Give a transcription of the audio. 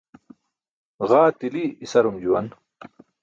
Ġaa tili isarum juwan